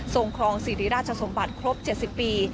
ครองสิริราชสมบัติครบ๗๐ปี